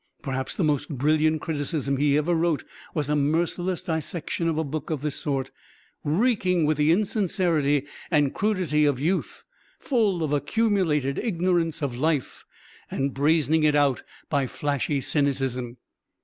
Perhaps the most brilliant criticism he ever wrote was a merciless dissection of a book of this sort, reeking with the insincerity and crudity of youth, full of accumulated ignorance of life, and brazening it out by flashy cynicism.